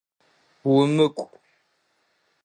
Умыкӏу!